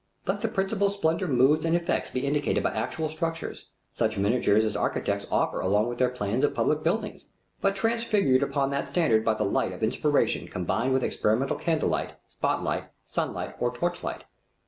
Let the principal splendor moods and effects be indicated by actual structures, such miniatures as architects offer along with their plans of public buildings, but transfigured beyond that standard by the light of inspiration combined with experimental candle light, spot light, sunlight, or torchlight.